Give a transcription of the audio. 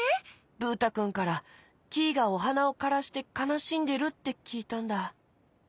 ブー太くんからキイがおはなをからしてかなしんでるってきいたんだ。